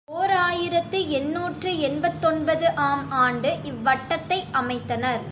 ஓர் ஆயிரத்து எண்ணூற்று எண்பத்தொன்பது ஆம் ஆண்டு இவ்வட்டத்தை அமைத்தனர்.